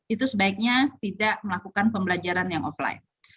itu sebaiknya tidak melakukan pembelajaran yang offline